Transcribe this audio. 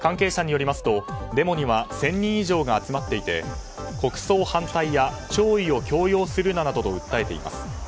関係者によりますと、デモには１０００人以上が集まっていて国葬反対や弔意を強要するななどと訴えています。